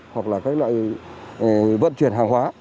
hoặc là các loại vận chuyển hàng hóa